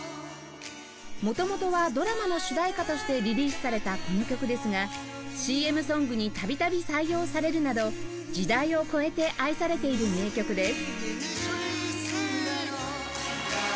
元々はドラマの主題歌としてリリースされたこの曲ですが ＣＭ ソングに度々採用されるなど時代を超えて愛されている名曲です